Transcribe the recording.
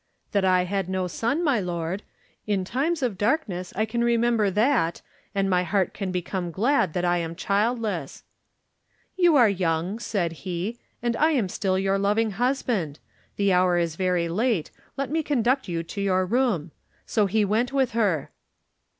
"'That I had no son, my lord. In times of darkness I can remember that and my heart can become glad that I am childless.' "'You are young,' said he, 'and I am still yoiu* loving husband. The hoiu* is very late. Let me conduct you to your room.' So he went with her."